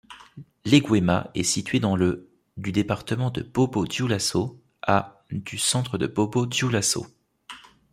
Léguéma est située dans le du département de Bobo-Dioulasso, à du centre de Bobo-Dioulasso.